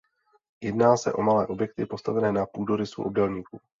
Jedná se o malé objekty postavené na půdorysu obdélníku.